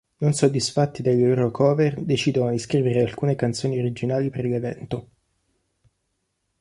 Non soddisfatti delle loro cover, decidono di scrivere alcune canzoni originali per l'evento.